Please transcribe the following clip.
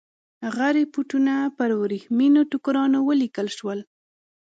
هغه رپوټونه پر ورېښمینو ټوکرانو ولیکل شول.